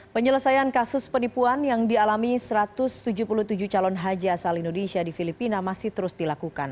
penyelesaian kasus penipuan yang dialami satu ratus tujuh puluh tujuh calon haji asal indonesia di filipina masih terus dilakukan